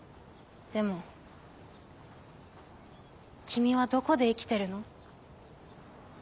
君はどこで生きてるの？